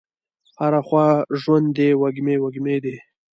هره خوا ژوند دی وږمې، وږمې دي